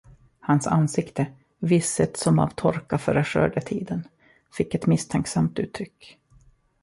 Hans ansikte, visset som av torka före skördetiden, fick ett misstänksamt uttryck.